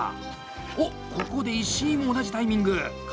おっ、ここで石井も同じタイミング！